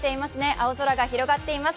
青空が広がっています。